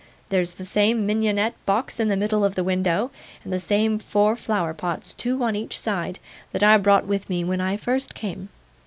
There's the same mignonette box in the middle of the window, and the same four flower pots, two on each side, that I brought with me when I first came.